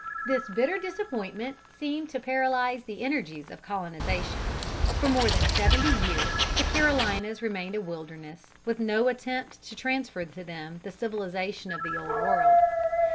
This bitter disappointment seemed to paralyse the energies of colonization. For more than seventy years the Carolinas remained a wilderness, with no attempt to transfer to them the civilization of the Old World.